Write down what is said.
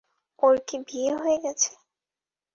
ওর কি বিয়ে হয়ে গেছে?